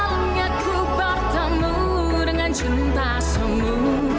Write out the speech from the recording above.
oh yakin kan cinta ini